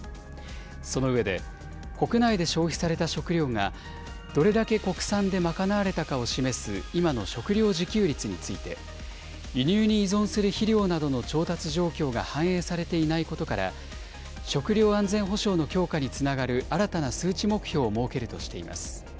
その上で、国内で消費された食料が、どれだけ国産で賄われたかを示す今の食料自給率について、輸入に依存する肥料などの調達状況が反映されていないことから、食料安全保障の強化につながる新たな数値目標を設けるとしています。